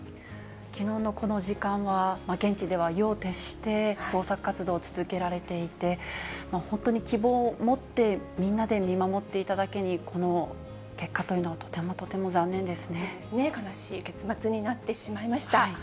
きのうのこの時間は、現地では夜を徹して捜索活動を続けられていて、本当に希望を持ってみんなで見守っていただけに、この結果というそうですね、悲しい結末になってしまいました。